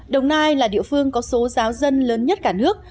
đồng nai là địa phương có số giáo dân lớn nhất cả nước